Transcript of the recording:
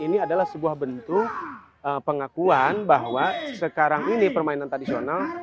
ini adalah sebuah bentuk pengakuan bahwa sekarang ini permainan tradisional